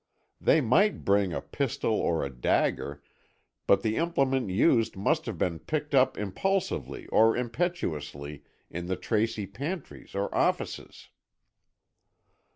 They might bring a pistol or a dagger, but the implement used must have been picked up impulsively or impetuously, in the Tracy pantries or offices."